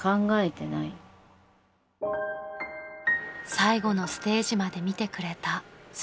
［最後のステージまで見てくれたスーさん］